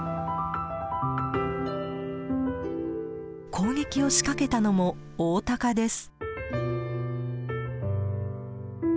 攻撃を仕掛けたのもオオタカです。